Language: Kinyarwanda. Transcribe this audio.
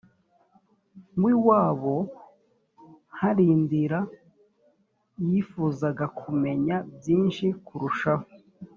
w iwabo harindra yifuzaga kumenya byinshi kurushaho